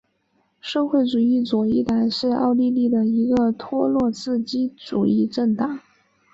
社会主义左翼党是奥地利的一个托洛茨基主义政党。